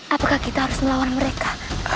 apakah kita harus melawan mereka